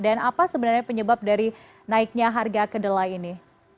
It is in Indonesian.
dan apa sebenarnya penyebab dari naiknya harga kedelai ini